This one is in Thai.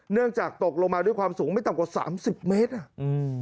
เนื่องจากตกลงมาด้วยความสูงไม่ต่ำกว่า๓๐เมตร